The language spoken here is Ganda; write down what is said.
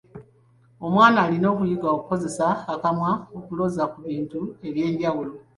Omwana alina okuyiga okukozesa akamwa okuloza ku bintu eby'enjawulo.